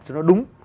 cho nó đúng